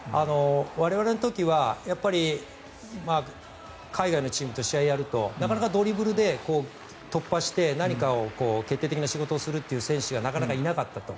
我々の時は海外のチームと試合をやるとなかなかドリブルで突破して何か決定的な仕事をする選手がなかなかいなかったと。